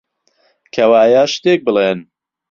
کەوایە، شتێک بڵێن!